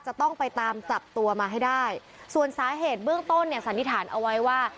จะต้องไปตามจับตัวมาให้ได้ส่วนสาเหตุเบื้องต้นเนี่ยสันนิษฐานเอาไว้ว่า